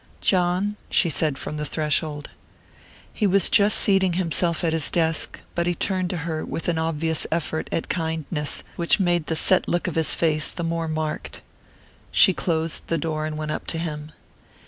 "John," she said from the threshold. He was just seating himself at his desk, but he turned to her with an obvious effort at kindness which made the set look of his face the more marked. She closed the door and went up to him.